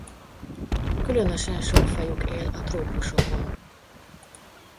Különösen sok fajuk él a trópusokon.